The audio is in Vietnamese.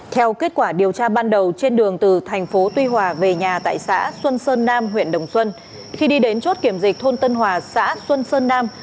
theo kết quả điều tra ban đầu trên đường từ thành phố tuy hòa về nhà tại xã xuân sơn nam huyện đồng xuân khi đi đến chốt kiểm dịch thôn tân hòa xã xuân sơn nam